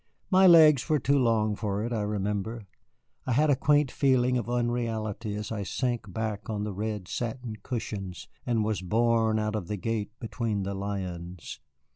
My legs were too long for it, I remember. I had a quaint feeling of unreality as I sank back on the red satin cushions and was borne out of the gate between the lions.